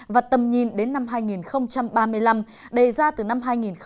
và tầm nhìn đến năm hai nghìn ba mươi năm đề ra từ năm hai nghìn một mươi ba